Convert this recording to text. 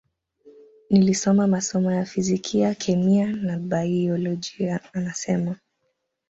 Nilisoma masomo ya fizikia kemia na baiolojia anasema